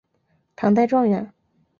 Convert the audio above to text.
唐代状元。